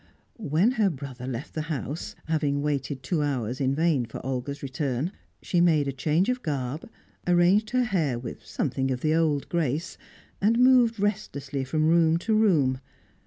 When her brother left the house (having waited two hours in vain for Olga's return), she made a change of garb, arranged her hair with something of the old grace, and moved restlessly from room to room.